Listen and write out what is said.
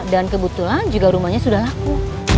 dan kebetulan juga rumahnya sudah laku